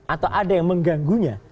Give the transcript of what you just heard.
atau ada yang mengganggunya